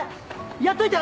やっといて！